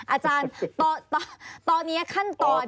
อาจารย์ตอนนี้ขั้นตอน